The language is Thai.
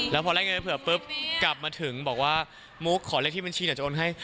แล้วพอได้เงินไปเผื่อปุ๊บกลับมาถึงบอกว่ามุกขอเลขที่บัญชีเดี๋ยวจะโอนให้